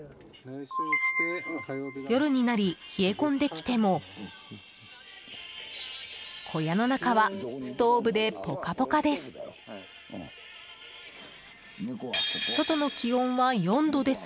夜になり、冷え込んできても小屋の中はストーブでポカポカです。